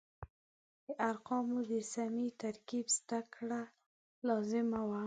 د ارقامو د سمې ترکیب زده کړه لازمه وه.